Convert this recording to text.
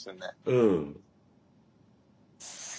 うん。